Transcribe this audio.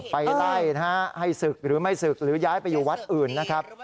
ไปไล่นะฮะให้ศึกหรือไม่ศึกหรือย้ายไปอยู่วัดอื่นนะครับ